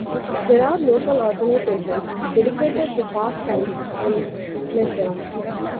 There are local organisations dedicated to pastimes and leisure.